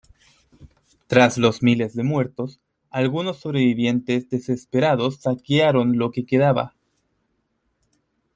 Tras los miles de muertos, algunos sobrevivientes desesperados saquearon lo que quedaba.